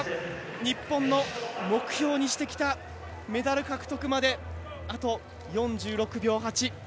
日本の目標にしてきたメダル獲得まで、あと４６秒８。